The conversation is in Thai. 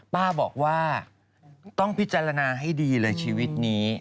ป้าบอกว่าต้องพิจารณาให้ดีเลยชีวิตนี้